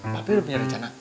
papi udah punya rencana